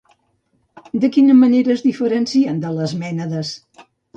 De quina manera es diferencien de les mènades?